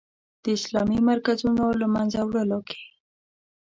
د اسلامي مرکزونو له منځه وړلو کې.